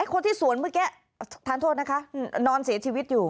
คนที่สวนเมื่อกี้ทานโทษนะคะนอนเสียชีวิตอยู่